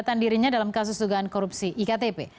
ketua dpr setirinya dalam kasus dugaan korupsi iktp